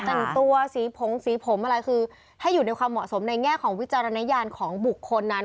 แต่งตัวสีผงสีผมอะไรคือให้อยู่ในความเหมาะสมในแง่ของวิจารณญาณของบุคคลนั้น